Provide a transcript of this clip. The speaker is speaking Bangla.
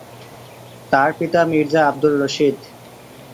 তার পিতা মির্জা আব্দুর রশিদ।